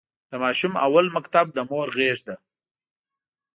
د ماشوم اول مکتب د مور غېږ ده.